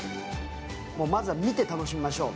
まずは見て楽しみましょう。